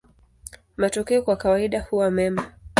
Matokeo kwa kawaida huwa mema.